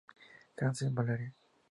Hansen, Valerie.